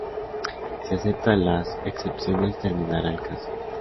Si acepta las excepciones, terminará el caso.